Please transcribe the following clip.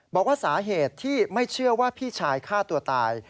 บอกว่าสาเหตุที่ไม่เชื่อว่าพี่ชายฆ่าตัวตาย